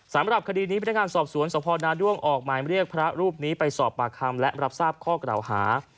สำหรับคดีนี้พนักงานสอบสวนสพนาด้วงออกหมายเรียกพระรูปนี้ไปสอบปากคำและรับทราบข้อกล่าวหา